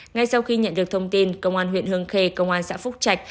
ngay sau khi nhận được thông tin công an huyện hương khê công an xã phúc trạch